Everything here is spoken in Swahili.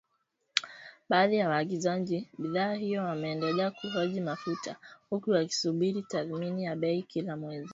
Baadhi ya waagizaji bidhaa hiyo wameendelea kuhoji mafuta, huku wakisubiri tathmini ya bei kila mwezi.